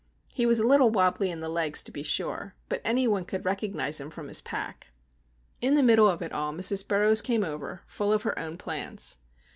He was a little wobbly in the legs, to be sure, but any one could recognise him from his pack. In the middle of it all Mrs. Burroughs came over, full of her own plans.